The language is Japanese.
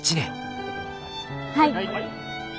はい。